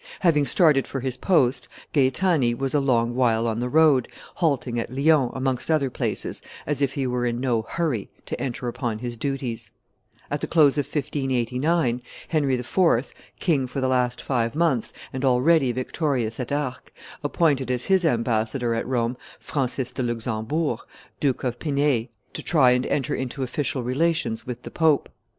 Having started for his post, Gaetani was a long while on the road, halting at Lyons, amongst other places, as if he were in no hurry to enter upon his duties. At the close of 1589, Henry IV., king for the last five months and already victorious at Arques, appointed as his ambassador at Rome Francis de Luxembourg, Duke of Pinei, to try and enter into official relations with the pope.